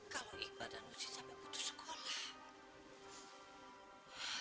kalau ikhlas dan uji sampai putus sekolah